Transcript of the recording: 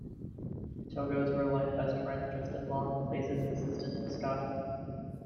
Togo's real-life best friend Justin Long plays his assistant, Scott.